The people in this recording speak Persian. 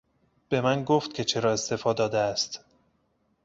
به من گفت که چرا استعفا داده است.